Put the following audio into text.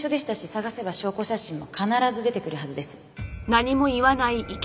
探せば証拠写真も必ず出てくるはずです。